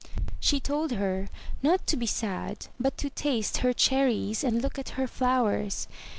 She told her not to be sad, but to taste her cherries, and look at her flowers.